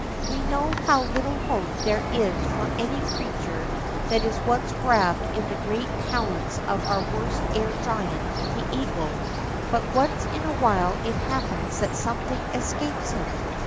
We know how little hope there is for any creature that is once grabbed in the great talons of our worst air giant, the eagle, but once in awhile it happens that something escapes him.